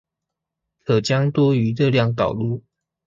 可將多餘熱量導入